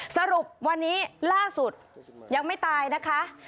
สรุปวันนี้ล่าสุดยังไม่ตายนะคะ